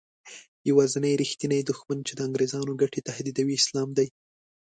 یوازینی رښتینی دښمن چې د انګریزانو ګټې تهدیدوي اسلام دی.